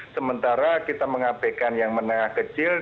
sementara kita mengabekan yang menengah kecil